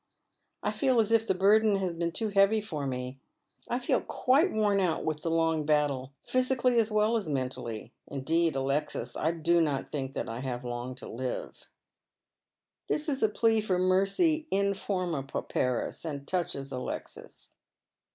1 feel as if the burden had been too heavy for me — I feel quite worn out with the long battle — physically as well as mentally. Indeed, Alexis, I do not think that I have long to live." This is a plea for mercy in forma pauperis, and touches Alexis.